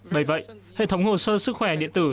bởi vậy hệ thống hồ sơ sức khỏe điện tử